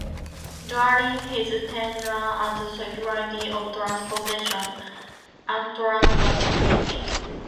During his tenure as Secretary of Transportation, Amtrak was created.